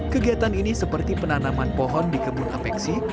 kegiatan ini seperti penanaman pohon di kebun apeksi